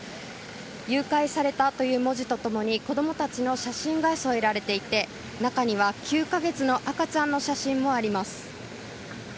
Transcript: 「誘拐された」という文字と共に子供たちの写真が添えられていて中には９か月の赤ちゃんの写真もあります。